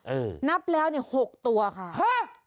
เออนับแล้ว๖ตัวค่ะฮะ